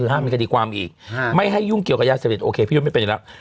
ห้ามมีคดีความอีกไม่ให้ยุ่งเกี่ยวกับยาเสพติดโอเคพี่ยุทธ์ไม่เป็นอีกแล้ว